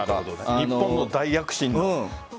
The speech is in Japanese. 日本の大躍進の。